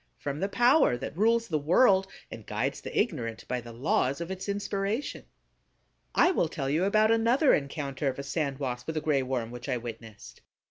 From the power that rules the world, and guides the ignorant by the laws of its inspiration. I will tell you about another encounter of a Sand Wasp with a Gray Worm which I witnessed.